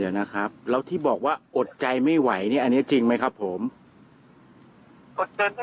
แล้วเขาก็มีทั้งมือถือที่เขาเตรียมไว้ที่เขาจะเล่นงานอาตมานะค่ะ